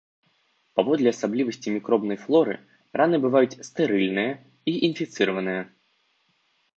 Паводле асаблівасцей мікробнай флоры раны бываюць стэрыльныя і інфіцыраваныя.